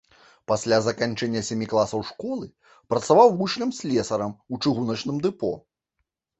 Пасля заканчэння сямі класаў школы працаваў вучнем слесара ў чыгуначным дэпо.